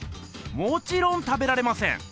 もちろん食べられません。